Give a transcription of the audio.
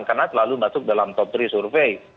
karena selalu masuk dalam top tiga survei